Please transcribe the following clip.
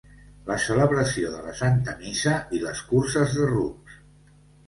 La celebració de la Santa Missa i les curses de rucs.